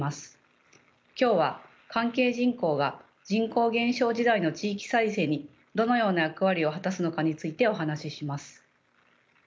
今日は関係人口が人口減少時代の地域再生にどのような役割を果たすのかについてお話しします。